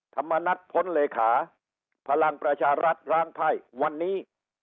ธรรมนัฐพ้นเลขาพลังประชารัฐร้างไพ่วันนี้